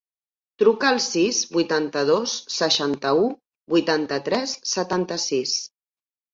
Truca al sis, vuitanta-dos, seixanta-u, vuitanta-tres, setanta-sis.